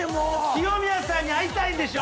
清宮さんに会いたいんでしょ？